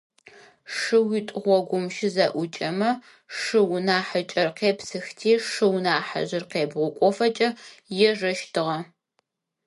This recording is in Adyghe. Шыуитӏу гъогум щызэӏукӏэмэ, шыу нахьыкӏэр къепсыхти шыу ныхьыжъыр къебгъукӏофэкӏэ ежэщтыгъэ.